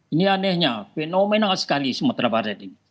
ini anehnya fenomenal sekali sumatera barat ini